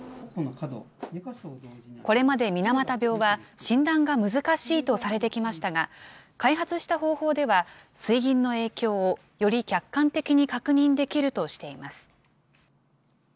これまで水俣病は、診断が難しいとされてきましたが、開発した方法では、水銀の影響をより客観的に確認できるとしています。